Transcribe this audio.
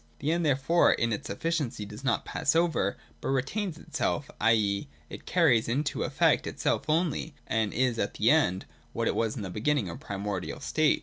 The End therefore in its efficiency does not pass over, but retains itself, t.e. it carries into effect itself only, and is at the end what it was in the beginning or primordial state.